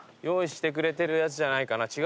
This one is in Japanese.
用意してくれてるやつじゃないかな。